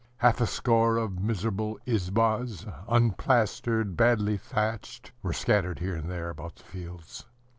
Half a score of miserable izbas, unplastered, badly thatched, were scattered here and there about the fields.